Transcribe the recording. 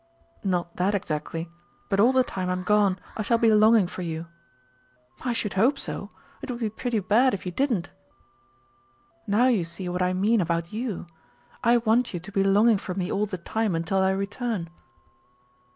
"Not that, exactly; but all the time I'm gone I shall be longing for you." "I should hope so! It would be pretty bad if you didn't." "Now you see what I mean about you. I want you to be longing for me all the time, until I return."